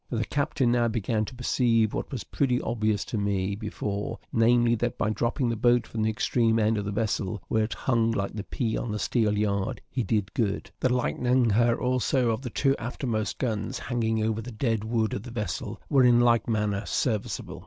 The captain now began to perceive, what was pretty obvious to me before, namely, that by dropping the boat from the extreme end of the vessel, where it hung like the pea on the steelyard, he did good; the lightening her also of the two aftermost guns, hanging over the dead wood of the vessel, were in like manner serviceable.